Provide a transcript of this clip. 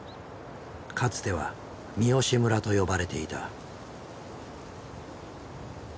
かつては「三義村」と呼ばれていた。